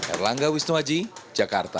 erlangga wisnuaji jakarta